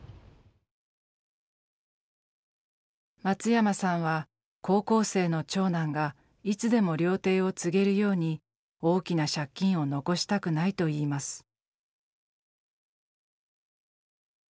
松山さんは高校生の長男がいつでも料亭を継げるように大きな借金を残したくないといいます。